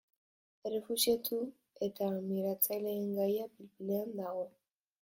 Errefuxiatu eta migratzaileen gaia pil-pilean dago.